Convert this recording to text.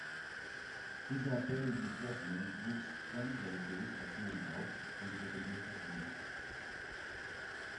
Isabelle Dufresne wuchs streng religiös erzogen auf und rebellierte früh.